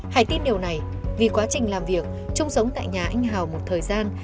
hãy tin điều này vì quá trình làm việc trung sống tại nhà anh hào một thời gian